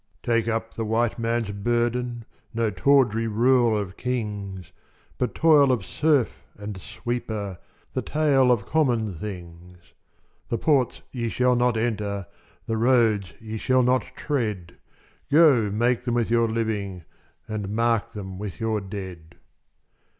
Take up the White Man's burden No tawdry rule of kings, But toil of serf and sweeper The tale of common things. The ports ye shall not enter, The roads ye shall not tread, Go make them with your living, And mark them with your dead.